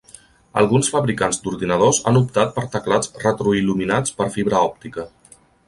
Alguns fabricants d'ordinadors han optat per teclats retroil·luminats per fibra òptica.